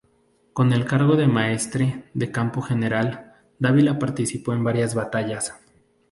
Con el cargo de maestre de campo general, Dávila participó en varias batallas.